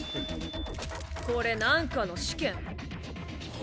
これなんかの試験？